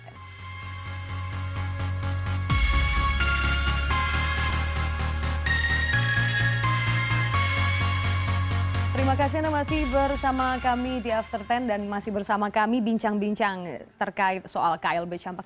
terima kasih anda masih bersama kami di after sepuluh dan masih bersama kami bincang bincang terkait soal klb campak